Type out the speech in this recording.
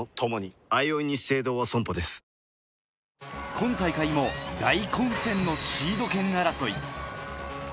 今大会も大混戦のシード権争い。